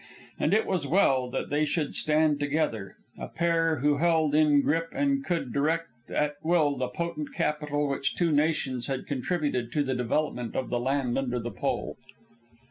And it was well that they should stand together, a pair who held in grip and could direct at will the potent capital which two nations had contributed to the development of the land under the Pole.